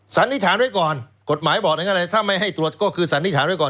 สันนิษฐานด้วยก่อนกฎหมายบอกถ้าไม่ให้ตรวจก็คือสันนิษฐานด้วยก่อน